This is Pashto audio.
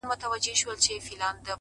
ځوان د خپلي خولگۍ دواړي شونډي قلف کړې؛